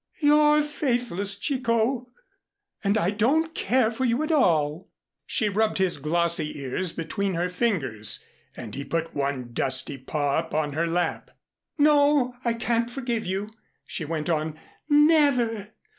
You're faithless, Chicot, and I don't care for you at all." She rubbed his glossy ears between her fingers, and he put one dusty paw upon her lap. "No, I can't forgive you," she went on. "Never!